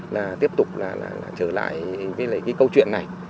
là tiếp tục là trở lại với cái câu chuyện này